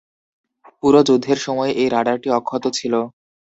পুরো যুদ্ধের সময় এই রাডারটি অক্ষত ছিল।